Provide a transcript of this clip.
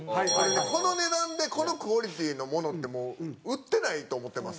この値段でこのクオリティーのものってもう売ってないと思ってます。